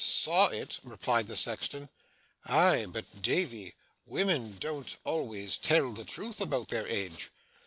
'Saw it?' replied the sexton; 'aye, but, Davy, women don't always tell the truth about their age.